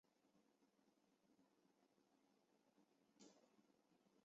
先秦史专家。